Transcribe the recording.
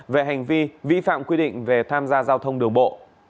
về hành vi vi phạm quy định về tham gia giao thông đường bộ